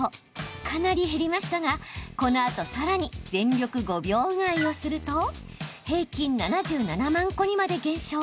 かなり減りましたがこのあと、さらに全力５秒うがいをすると平均７７万個にまで減少。